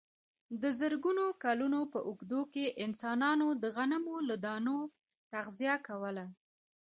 د زرګونو کلونو په اوږدو کې انسانانو د غنمو له دانو تغذیه کوله.